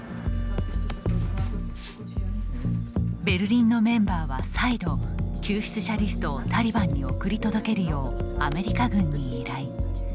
ベルリンのメンバーは再度、救出者リストをタリバンに送り届けるようアメリカ軍に依頼。